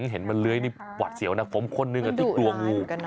เห็นมันเลื้อยนี่หวัดเสียวนะผมคนหนึ่งที่กลัวงู